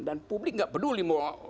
dan publik gak peduli